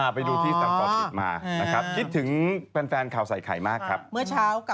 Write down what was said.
พี่หนุ่มเป็นศาษาไทยได้นานมาก